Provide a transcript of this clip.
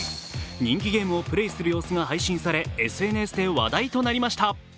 人気ゲームをプレーする様子が配信されＳＮＳで話題となりました。